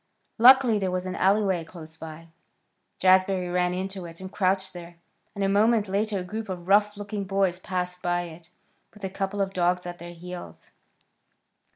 Luckily there was an alleyway close by. Jazbury ran into it and crouched there, and a moment later a group of rough looking boys passed by it, with a couple of dogs at their heels.